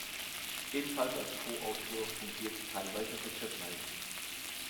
Ebenfalls als Koautor fungierte teilweise Richard Leigh.